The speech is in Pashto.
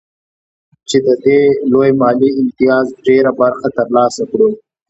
چې د دې لوی مالي امتياز ډېره برخه ترلاسه کړو